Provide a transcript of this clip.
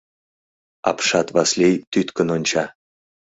Апшат Васлий тӱткын онча.